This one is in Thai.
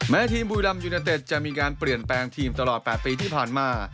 ทีมบุรีรัมยูเนเต็ดจะมีการเปลี่ยนแปลงทีมตลอด๘ปีที่ผ่านมา